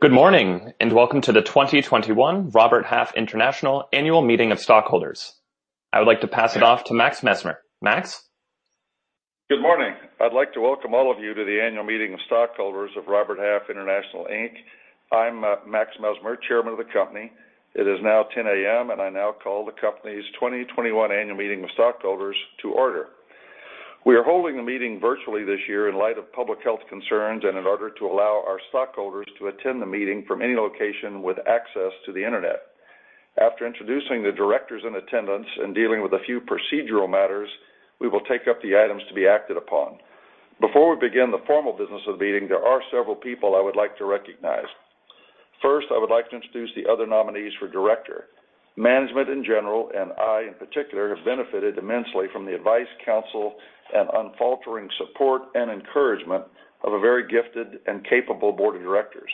Good morning, welcome to the 2021 Robert Half International annual meeting of stockholders. I'd like to pass it off to Max Messmer. Max? Good morning. I'd like to welcome all of you to the annual meeting of stockholders of Robert Half International Inc. I'm Max Messmer, Chairman of the company. It is now 10:00 A.M. I now call the company's 2021 annual meeting of stockholders to order. We are holding the meeting virtually this year in light of public health concerns and in order to allow our stockholders to attend the meeting from any location with access to the internet. After introducing the directors in attendance and dealing with a few procedural matters, we will take up the items to be acted upon. Before we begin the formal business of the meeting, there are several people I would like to recognize. First, I would like to introduce the other nominees for director. Management in general, and I in particular, have benefited immensely from the advice, counsel, and unfaltering support and encouragement of a very gifted and capable board of directors.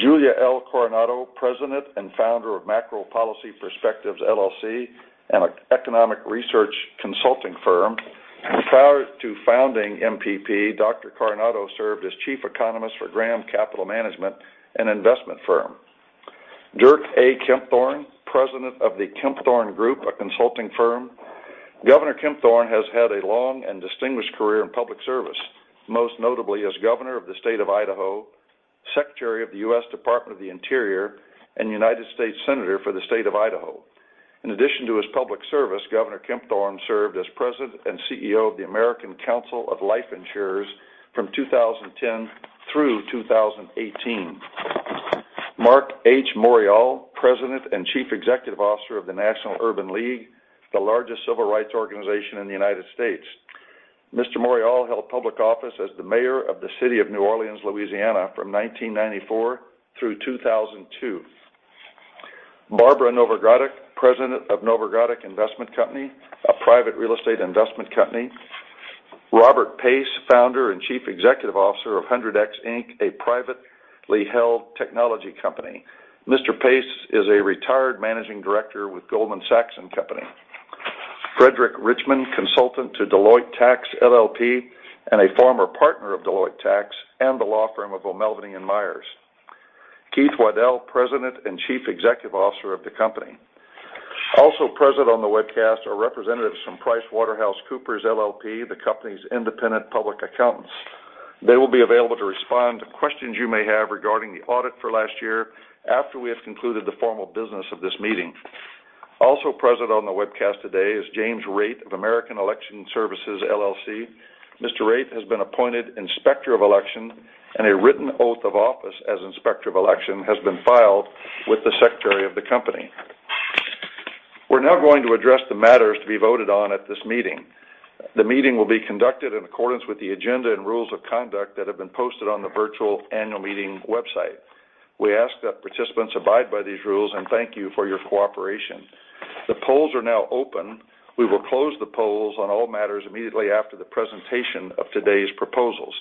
Julia L. Coronado, President and Founder of MacroPolicy Perspectives LLC, an economic research consulting firm. Prior to founding MPP, Dr. Coronado served as chief economist for Graham Capital Management, an investment firm. Dirk A. Kempthorne, president of the Kempthorne Group, a consulting firm. Governor Kempthorne has had a long and distinguished career in public service, most notably as governor of the state of Idaho, secretary of the U.S. Department of the Interior, and United States senator for the state of Idaho. In addition to his public service, Governor Kempthorne served as President and CEO of the American Council of Life Insurers from 2010 through 2018. Marc H. Morial, President and Chief Executive Officer of the National Urban League, the largest civil rights organization in the U.S. Mr. Morial held public office as the mayor of the City of New Orleans, Louisiana from 1994 through 2002. Barbara Novogradac, President of Novogradac Investment Company, a private real estate investment company. Robert J. Pace, Founder and Chief Executive Officer of HundredX, Inc., a privately held technology company. Mr. Pace is a retired Managing Director with Goldman Sachs & Co. Frederick A. Richman, Consultant to Deloitte Tax LLP and a former Partner of Deloitte Tax and the law firm of O'Melveny & Myers. Keith Waddell, President and Chief Executive Officer of the company. Also present on the webcast are representatives from PricewaterhouseCoopers LLP, the company's independent public accountants. They will be available to respond to questions you may have regarding the audit for last year after we have concluded the formal business of this meeting. Also present on the webcast today is James J. Raitt of American Election Services, LLC. Mr. Raitt has been appointed inspector of election, and a written oath of office as inspector of election has been filed with the secretary of the company. We're now going to address the matters to be voted on at this meeting. The meeting will be conducted in accordance with the agenda and rules of conduct that have been posted on the virtual annual meeting website. We ask that participants abide by these rules and thank you for your cooperation. The polls are now open. We will close the polls on all matters immediately after the presentation of today's proposals.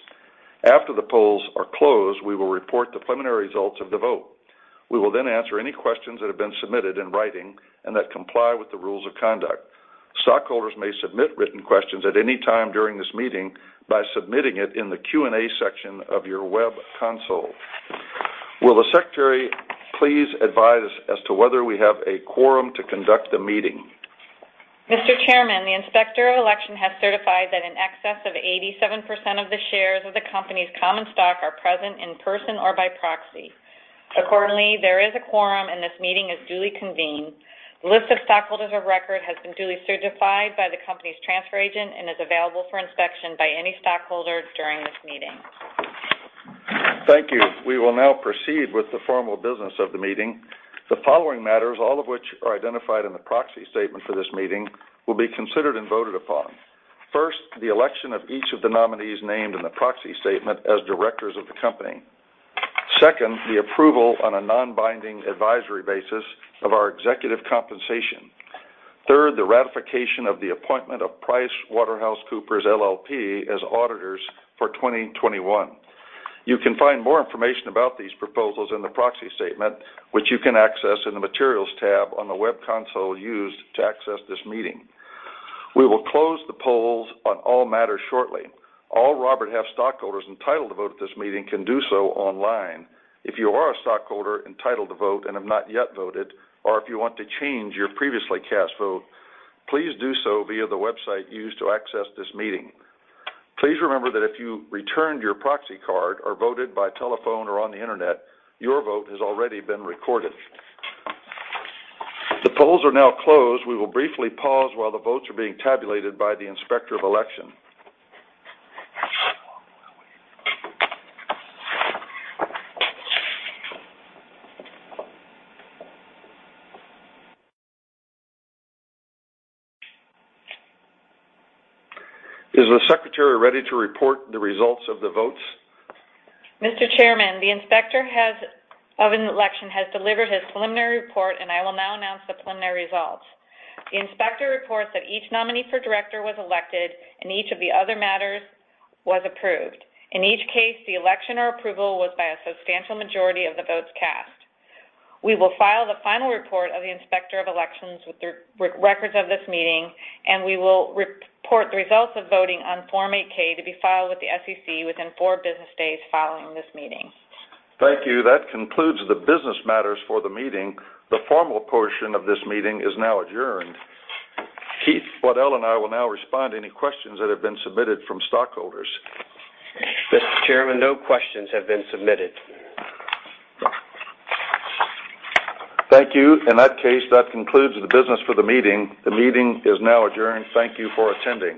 After the polls are closed, we will report the preliminary results of the vote. We will answer any questions that have been submitted in writing and that comply with the rules of conduct. Stockholders may submit written questions at any time during this meeting by submitting it in the Q&A section of your web console. Will the secretary please advise us as to whether we have a quorum to conduct the meeting? Mr. Chairman, the inspector of election has certified that in excess of 87% of the shares of the company's common stock are present in person or by proxy. Accordingly, there is a quorum and this meeting is duly convened. The list of stockholders of record has been duly certified by the company's transfer agent and is available for inspection by any stockholder during this meeting. Thank you. We will now proceed with the formal business of the meeting. The following matters, all of which are identified in the proxy statement for this meeting, will be considered and voted upon. First, the election of each of the nominees named in the proxy statement as directors of the company. Second, the approval on a non-binding advisory basis of our executive compensation. Third, the ratification of the appointment of PricewaterhouseCoopers LLP as auditors for 2021. You can find more information about these proposals in the proxy statement, which you can access in the materials tab on the web console used to access this meeting. We will close the polls on all matters shortly. All Robert Half stockholders entitled to vote at this meeting can do so online. If you are a stockholder entitled to vote and have not yet voted, or if you want to change your previously cast vote, please do so via the website used to access this meeting. Please remember that if you returned your proxy card or voted by telephone or on the internet, your vote has already been recorded. The polls are now closed. We will briefly pause while the votes are being tabulated by the inspector of election. Is the secretary ready to report the results of the votes? Mr. Chairman, the inspector of election has delivered a preliminary report, and I will now announce the preliminary results. The inspector reports that each nominee for director was elected and each of the other matters was approved. In each case, the election or approval was by a substantial majority of the votes cast. We will file the final report of the inspector of elections with records of this meeting, and we will report the results of voting on Form 8-K to be filed with the SEC within four business days following this meeting. Thank you. That concludes the business matters for the meeting. The formal portion of this meeting is now adjourned. Keith Waddell and I will now respond to any questions that have been submitted from stockholders. Mr. Chairman, no questions have been submitted. Thank you. In that case, that concludes the business for the meeting. The meeting is now adjourned. Thank you for attending.